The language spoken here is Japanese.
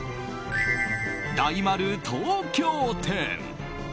大丸東京店。